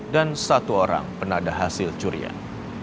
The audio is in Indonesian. dan satu orang penada hasil curian